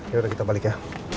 yaudah kita balik ya